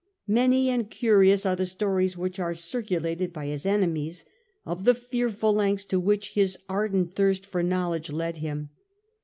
Many and curious are the stories which were circulated by his enemies of the fearful lengths to which his ardent thirst for know ledge led him.